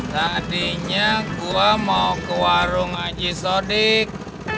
tadinya gue mau ke warung aji sodik